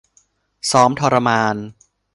ซ้อมทรมาน